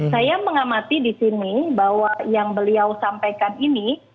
saya mengamati di sini bahwa yang beliau sampaikan ini